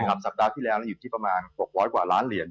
สัปดาห์ที่แล้วอยู่ที่ประมาณ๖๐๐กว่าล้านเหรียญ